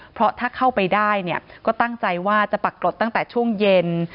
เพราะถ้าเข้าไปได้เนี่ยก็ตั้งใจว่าจะปรากฏตั้งแต่ช่วงเย็น